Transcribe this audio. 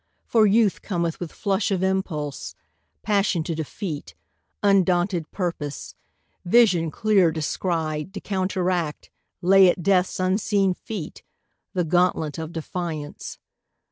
For Youth cometh With flush of impulse, passion to defeat, Undaunted purpose, vision clear descried, To counteract, lay at Death's unseen feet The gauntlet of defiance.